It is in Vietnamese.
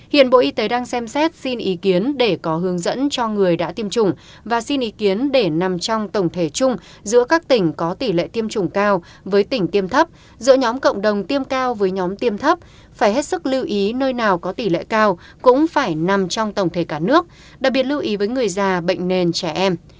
hiện bộ y tế đang xem xét xin ý kiến để có hướng dẫn cho người đã tiêm chủng và xin ý kiến để nằm trong tổng thể chung giữa các tỉnh có tỷ lệ tiêm chủng cao với tỉnh tiêm thấp giữa nhóm cộng đồng tiêm cao với nhóm tiêm thấp phải hết sức lưu ý nơi nào có tỷ lệ cao cũng phải nằm trong tổng thể cả nước đặc biệt lưu ý với người già bệnh nền trẻ em